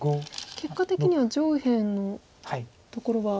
結果的には上辺のところは。